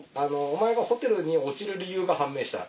お前がホテルに落ちる理由が判明した。